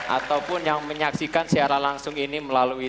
ataupun yang menyaksikan seara langsung ini melalui tv